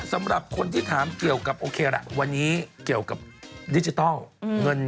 สำหรับคนที่ถามเกี่ยวกับโอเคละวันนี้เกี่ยวกับดิจิทัลเงิน